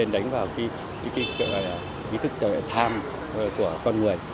đánh vào ý thức tham của con người